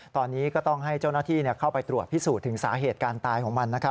ตอนนี้ก็ต้องให้เจ้าหน้าที่เข้าไปตรวจพิสูจน์ถึงสาเหตุการตายของมัน